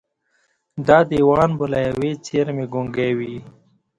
دا دېوان به له ېوې څېرمې ګونګي وي